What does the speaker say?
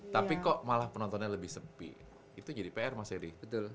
tapi kok malah penontonnya lebih sepi itu jadi pr mas eri betul